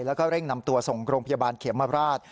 แล้วก็เร่งนำตัวส่งโรงพยาบาลเขมราช